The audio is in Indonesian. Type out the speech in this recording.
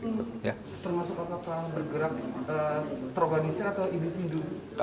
termasuk orang bergerak terorganisir atau individu